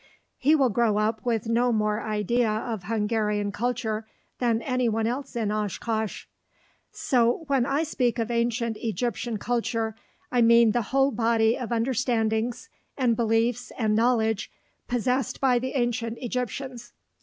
He will grow up with no more idea of Hungarian culture than anyone else in Oshkosh. So when I speak of ancient Egyptian culture, I mean the whole body of understandings and beliefs and knowledge possessed by the ancient Egyptians.